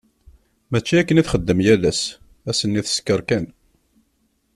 Mačči akken i texdem yal ass, ass-nni teskeṛ kan.